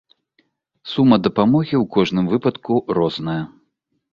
Сума дапамогі ў кожным выпадку розная.